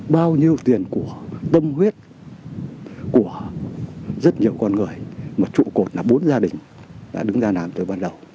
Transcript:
bao nhiêu tiền của tâm huyết của rất nhiều con người mà trụ cột là bốn gia đình đã đứng ra làm từ ban đầu